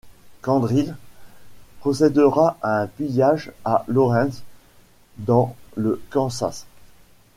Quantrill procèdera à un pillage à Lawrence dans le Kansas.